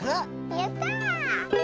やった！